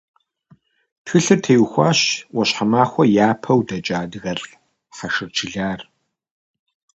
Тхылъыр теухуащ Ӏуащхьэмахуэ япэу дэкӀа адыгэлӀ Хьэшыр Чылар.